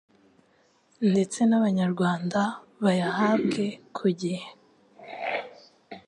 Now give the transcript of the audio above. ndetse n'Abanyarwanda bayahabwe ku gihe.